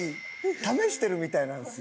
試してるみたいなんですよ。